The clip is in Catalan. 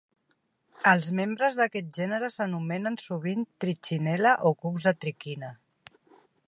Els membres d'aquest gènere s'anomenen sovint trichinella o cucs de triquina.